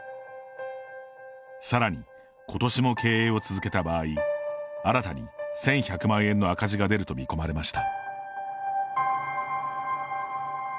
さらに、今年も経営を続けた場合新たに１１００方円の赤字が出ると見込まれました。